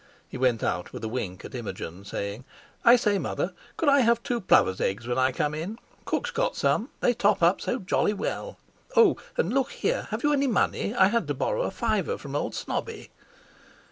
He went out with a wink at Imogen, saying: "I say, Mother, could I have two plover's eggs when I come in?—cook's got some. They top up so jolly well. Oh! and look here—have you any money?—I had to borrow a fiver from old Snobby."